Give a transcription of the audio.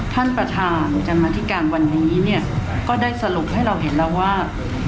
ท่านประธานกรรมธิการวันนี้เนี่ยก็ได้สรุปให้เราเห็นแล้วว่า